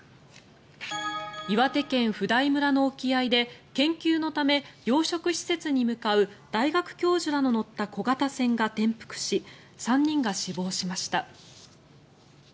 岩手県普代村の沖合で研究のため養殖施設に向かう大学教授らの乗った小型船が転覆し３人が死亡しました。